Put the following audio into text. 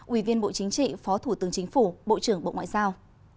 ubnd bộ chính trị phó thủ tướng chính phủ bộ trưởng bộ ngoại giao